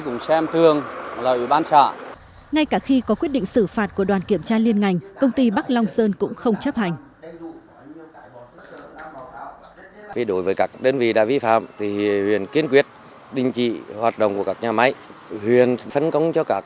ngay cả khi có quyết định xử phạt của đoàn kiểm tra liên ngành công ty bắc long sơn cũng không chấp hành